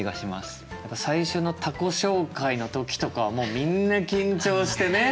最初の他己紹介の時とかはもうみんな緊張してね